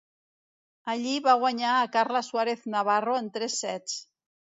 Allí va guanyar a Carla Suárez Navarro en tres sets.